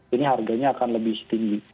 ini harganya akan lebih tinggi